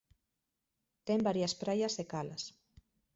Ten varias praias e calas.